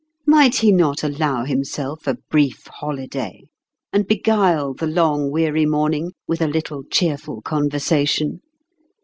Might he not allow him self a brief holiday, and beguile the long weary morning with a little cheerful conver sation